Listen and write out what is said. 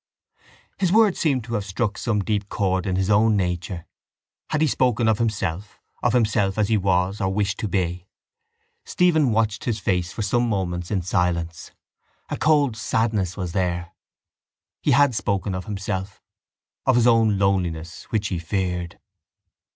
His words seemed to have struck some deep chord in his own nature. Had he spoken of himself, of himself as he was or wished to be? Stephen watched his face for some moments in silence. A cold sadness was there. He had spoken of himself, of his own loneliness which he feared.